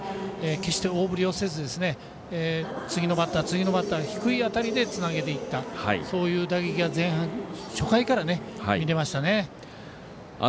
決して大振りをせず次のバッター、次のバッターに低いバットでつなげていった、そういう打撃が前半、初回から見れましたね。